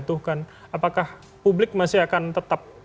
apakah publik masih akan tetap